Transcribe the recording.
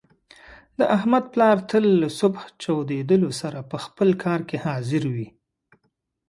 د احمد پلار تل له صبح چودېدلو سره په خپل کار کې حاضر وي.